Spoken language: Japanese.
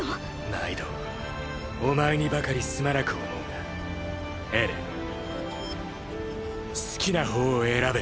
毎度お前にばかりすまなく思うがエレン好きな方を選べ。